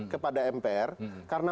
kepada mpr karena